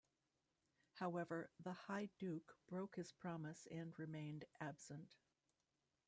However, the High Duke broke his promise and remained absent.